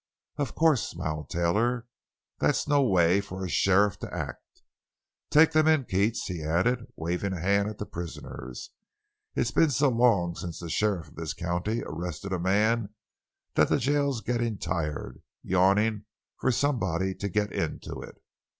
"Of course," smiled Taylor; "that's no way for a sheriff to act. Take them in, Keats," he added, waving a hand at the prisoners; "it's been so long since the sheriff of this county arrested a man that the jail's gettin' tired, yawning for somebody to get into it."